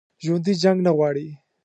ژوندي جنګ نه غواړي